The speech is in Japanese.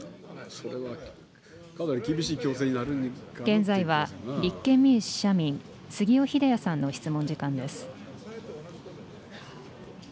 現在は、立憲民主・社民、杉尾秀哉さんの質問時間です。